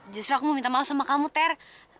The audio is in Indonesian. justru aku mau minta maaf sama kamu ter